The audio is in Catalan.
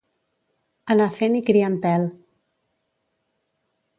Anar fent i criant pèl.